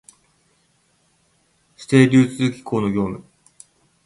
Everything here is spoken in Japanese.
指定流通機構の業務